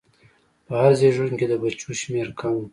په هر زېږون کې د بچو شمېر کم و.